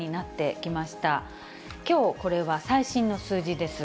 きょう、これは最新の数字です。